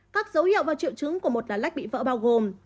các dấu hiệu và triệu chứng của một lách bị vỡ bao gồm